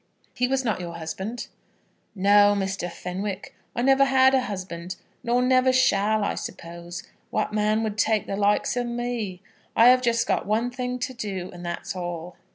"He was not your husband?" "No, Mr. Fenwick; I never had a husband, nor never shall, I suppose. What man would take the likes of me? I have just got one thing to do, and that's all."